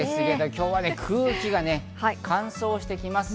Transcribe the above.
今日は空気がね、乾燥してきます。